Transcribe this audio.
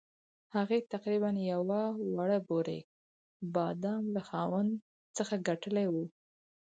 هغې تقریباً یوه وړه بورۍ بادام له خاوند څخه ګټلي وو.